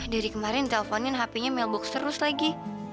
dari kemarin telponin hpnya mailbox terus lagi